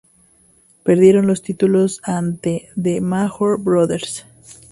Perdieron los títulos ante The Major Brothers.